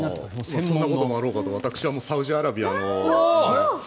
そんなこともあろうかと私はサウジアラビアの。